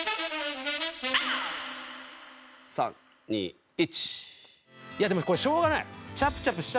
３２１。